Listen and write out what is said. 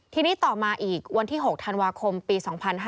ทีนี้ต่อมาอีกวันที่๖ธันวาคมปี๒๕๕๙